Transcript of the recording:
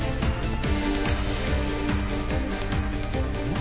ん？